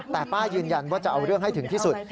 แต่ป้ายืนยันว่าจะเอาเรื่องให้ถึงที่สุด